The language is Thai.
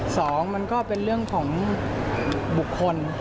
สองมันก็เป็นเรื่องของบุคคล